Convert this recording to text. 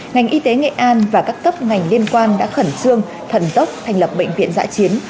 ngành y tế nghệ an và các cấp ngành liên quan đã khẩn trương thần dốc thành lập bệnh viện giã chiến